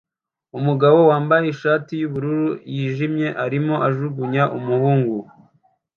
Umugabo wambaye ishati yubururu yijimye arimo ajugunya umuhungu